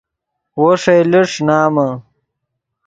وو ݰئیلے ݰینامے